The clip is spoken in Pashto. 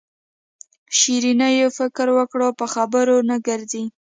شیرینو فکر وکړ په خبرو نه ګرځي.